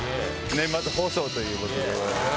年末放送ということで。